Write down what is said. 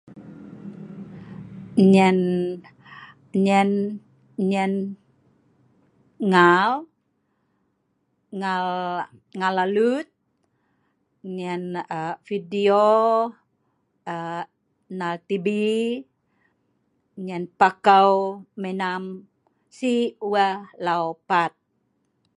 Nyen nyen nyen ngaal, ngaal alut, nyen aa video er nal tibi, nyen pakau, menam sik weh lau pat